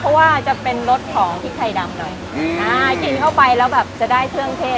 เพราะว่าจะเป็นรสของที่ไข่ดำอืมอ้ากินเข้าไปแล้วแบบจะได้เทืองเทศ